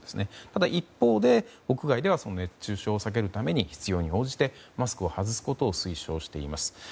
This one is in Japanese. ただ、一方で屋外では熱中症を避けるために必要に応じてマスクを外すことを推奨しています。